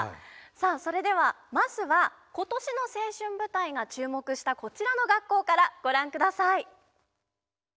さあそれではまずは今年の「青春舞台」が注目したこちらの学校からご覧ください。